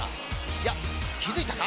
いや、気づいたか。